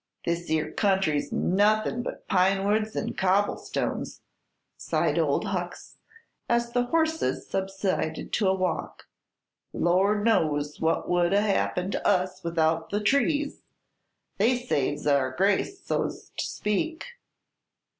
"This 'ere country's nuth'n' but pine woods 'n' cobblestones," sighed old Hucks, as the horses subsided to a walk. "Lor' knows what would 'a' happened to us without the trees! They saves our grace, so's to speak."